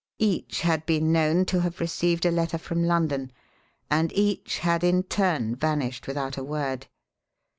Each had been known to have received a letter from London, and each had in turn vanished without a word.